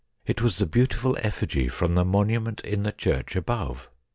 It was the beautiful effigy from the monument in the church above.